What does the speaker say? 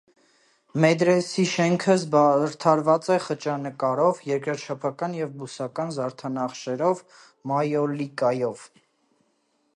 Մեդրեսեի շենքը զարդարված է խճանկարով, երկրաչափական և բուսական զարդանախշերով մայոլիկայով։